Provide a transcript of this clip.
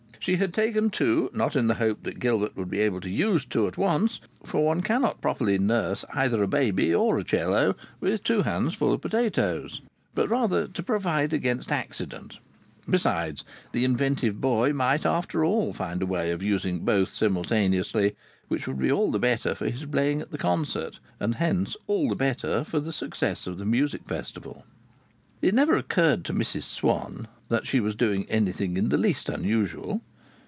She had taken two, not in the hope that Gilbert would be able to use two at once, for one cannot properly nurse either a baby or a 'cello with two hands full of potatoes, but rather to provide against accident. Besides, the inventive boy might after all find a way of using both simultaneously, which would be all the better for his playing at the concert, and hence all the better for the success of the Musical Festival. It never occurred to Mrs Swann that she was doing anything in the least unusual.